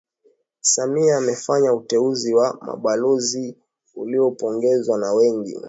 Samia amefanya uteuzi wa mabalozi uliopongezwa na wengi